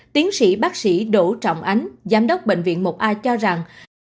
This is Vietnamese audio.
tiến sĩ bác sĩ đỗ trọng ánh giám đốc bệnh viện một a cho rằng